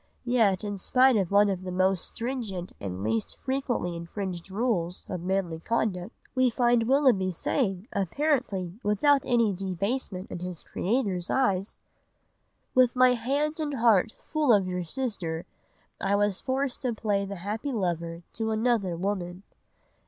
Yet in spite of one of the most stringent and least frequently infringed rules of manly conduct, we find Willoughby saying, apparently without any debasement in his creator's eyes— "'With my hand and heart full of your sister, I was forced to play the happy lover to another woman